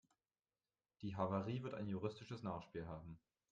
Die Havarie wird ein juristisches Nachspiel haben.